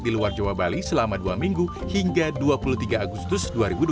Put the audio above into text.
di luar jawa bali selama dua minggu hingga dua puluh tiga agustus dua ribu dua puluh